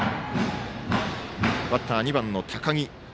バッター、２番の高木。